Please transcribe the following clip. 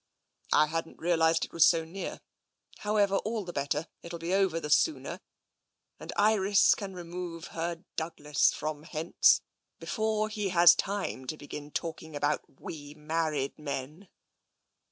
" I hadn't realised it was so near. However, all the better. It'll be over the sooner, and Iris can remove her Douglas from hence before he has time to begin talking about ' we married men.'